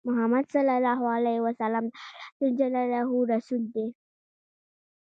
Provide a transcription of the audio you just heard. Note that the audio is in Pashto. محمد صلی الله عليه وسلم د الله رسول دی